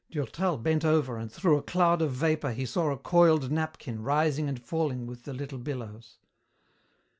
Durtal bent over and through a cloud of vapour he saw a coiled napkin rising and falling with the little billows.